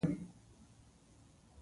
بنو کرک لکي مروت او ټانک سره نژدې دي